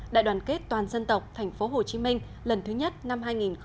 đại đoàn kết toàn dân tộc thành phố hồ chí minh lần thứ nhất năm hai nghìn một mươi chín